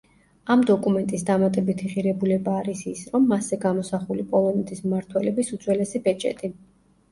ამ დოკუმენტის დამატებითი ღირებულება არის ის რომ მასზე გამოსახული პოლონეთის მმართველების უძველესი ბეჭედი.